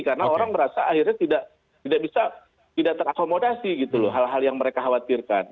karena orang merasa akhirnya tidak bisa tidak terakomodasi gitu loh hal hal yang mereka khawatirkan